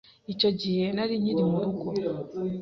Icyo gihe nari nkiri murugo.